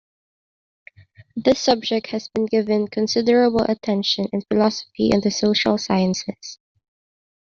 This subject has been given considerable attention in philosophy and the social sciences.